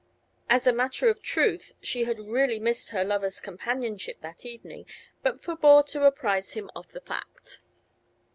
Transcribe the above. As a matter of truth she had really missed her lover's companionship that evening, but forbore to apprise him of the fact.